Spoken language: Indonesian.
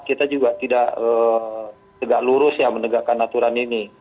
kita juga tidak tegak lurus ya menegakkan aturan ini